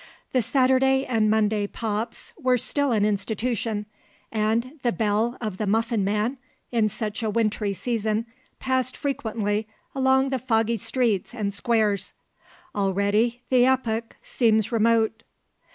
The Saturday and Monday pops were still an institution; and the bell of the muffin man, in such a wintry season, passed frequently along the foggy streets and squares. Already the epoch seems remote.